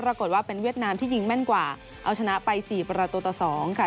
ปรากฏว่าเป็นเวียดนามที่ยิงแม่นกว่าเอาชนะไป๔ประตูต่อ๒ค่ะ